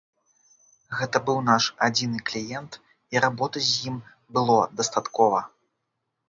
Гэта быў наш адзіны кліент і работы з ім было дастаткова.